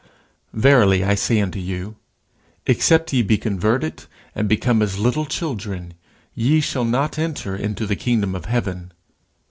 "Verily I say unto you, Except ye be converted, and become as little children, ye shall not enter into the kingdom of heaven.